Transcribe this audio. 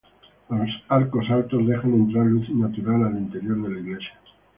Los arcos altos dejan entrar luz natural al interior de la iglesia.